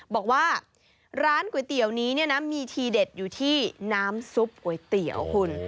บอกว่าร้านก๋วยเตี๋ยวนี้เนี่ยนะมีทีเด็ดอยู่ที่น้ำซุปก๋วยเตี๋ยวคุณ